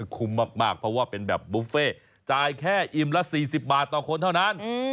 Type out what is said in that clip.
คุ้มมากเพราะว่าเป็นแบบบุฟเฟ่จ่ายแค่อิ่มละ๔๐บาทต่อคนเท่านั้น